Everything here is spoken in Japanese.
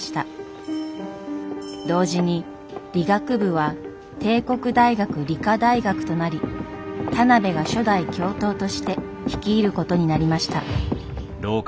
同時に理学部は帝国大学理科大学となり田邊が初代教頭として率いることになりました。